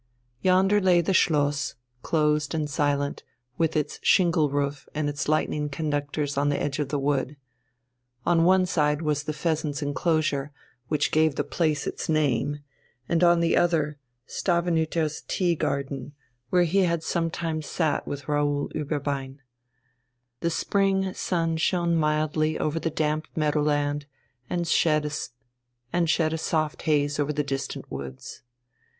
Yonder lay the Schloss, closed and silent, with its shingle roof and its lightning conductors on the edge of the wood. On one side was the pheasants' enclosure, which gave the place its name, and on the other Stavenüter's tea garden, where he had sometimes sat with Raoul Ueberbein. The spring sun shone mildly over the damp meadow land and shed a soft haze over the distant woods.